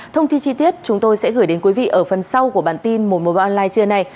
thông tin chi tiết chúng tôi sẽ gửi đến quý vị ở phần sau của bản tin mùa mùa online trưa nay